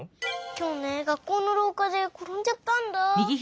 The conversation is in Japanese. きょうね学校のろうかでころんじゃったんだ。